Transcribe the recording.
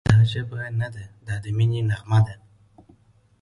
دا ژبه نه ده، دا د مینې نغمه ده»